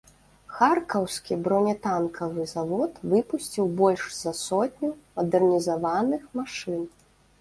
Харкаўскі бронетанкавы завод выпусціў больш за сотню мадэрнізаваных машын.